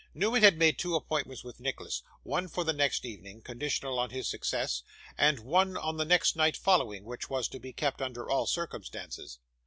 Newman had made two appointments with Nicholas: one for the next evening, conditional on his success: and one the next night following, which was to be kept under all circumstances.